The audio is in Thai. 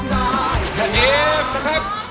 เสียงครับ